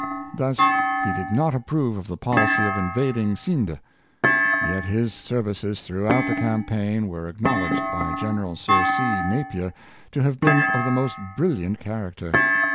Thus, he did not approve of the policy of invading Scinde ; yet his services throughout the campaign were acknowledged by General Sir C. Napier to have been of the most brilliant character.